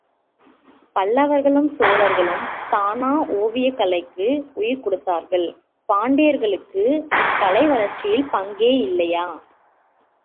பல்லவர்களும் சோழர்களும் தானா ஓவியக் கலைக்கு உயிர் கொடுத்தார்கள், பாண்டியர்களுக்கு இக்கலை வளர்ச்சியில் பங்கே இல்லையா?